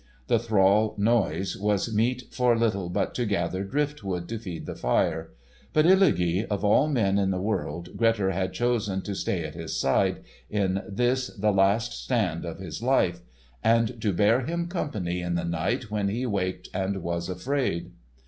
The thrall Noise was meet for little but to gather driftwood to feed the fire. But Illugi, of all men in the world, Grettir had chosen to stay at his side in this, the last stand of his life, and to bear him company in the night when he waked and was afraid.